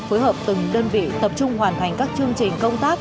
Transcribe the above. phối hợp từng đơn vị tập trung hoàn thành các chương trình công tác